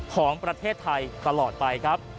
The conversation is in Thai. ของประเทศไทยตลอดไปครับ